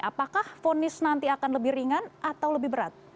apakah vonis nanti akan lebih ringan atau lebih berat